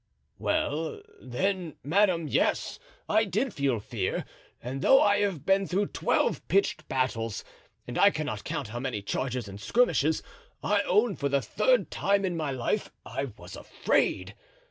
"Well, then, madame, yes, I did feel fear; and though I have been through twelve pitched battles and I cannot count how many charges and skirmishes, I own for the third time in my life I was afraid.